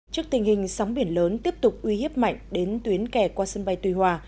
trước tình hình sóng biển lớn tiếp tục uy hiếp mạnh đến tuyến kè qua sân bay tùy hòa